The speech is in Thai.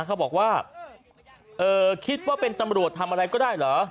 เขาบอกว่าคิดว่าเป็นตำรวจทำอะไรก็ได้เหรอ